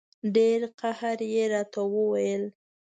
ډېر قهر یې راته وویل.